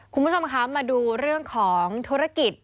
คุณผู้ชมคะมาดูเรื่องของธุรกิจ